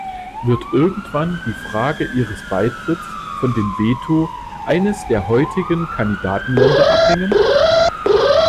Wird irgendwann die Frage ihres Beitritts von dem Veto eines der heutigen Kandidatenländer abhängen?